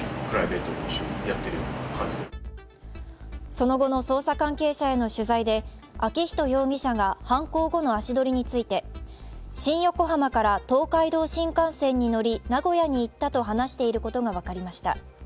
その後の捜査関係者への取材で昭仁容疑者が犯行後の足取りについて、新横浜から東海道新幹線に乗り名古屋に行ったと話していることが分かりました。